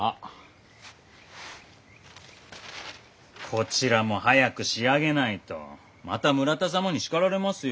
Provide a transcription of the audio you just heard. こちらも早く仕上げないとまた村田様に叱られますよ？